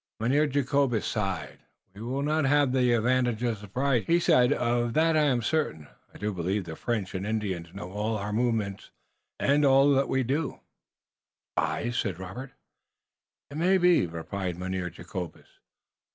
Mynheer Jacobus sighed. "We will not haf the advantage of surprise," he said. "Of that I am certain. I do believe that the French und Indians know of all our movements und of all we do." "Spies?" said Robert. "It may be," replied Mynheer Jacobus.